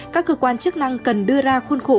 các cơ quan chức năng cần đưa ra khuôn khổ